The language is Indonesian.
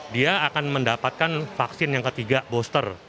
dia akan mendapatkan vaksin yang ketiga booster